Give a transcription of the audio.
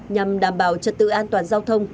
nhằm đảm bảo trật tự an toàn giao thông